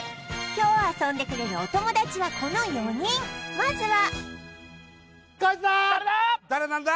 今日遊んでくれるお友達はこの４人まずはこいつだ！